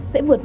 sẽ vượt mất